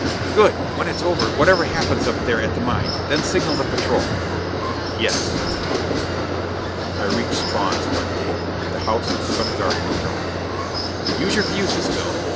"Good! When it's over, whatever happens up there at the mine, then signal the patrol." "Yes." I reached Spawn's front gate. The house and front garden were dark. "Use your fuses, Phil.